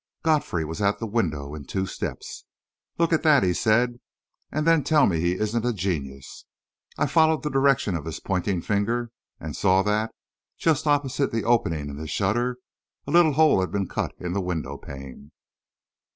Godfrey was at the window in two steps. "Look at that!" he said, "and then tell me he isn't a genius!" I followed the direction of his pointing finger and saw that, just opposite the opening in the shutter, a little hole had been cut in the window pane.